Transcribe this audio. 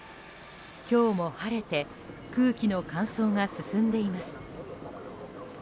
今日も晴れて空気の乾燥が進んでいます。